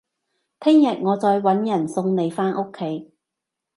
聽日我再搵人送你返屋企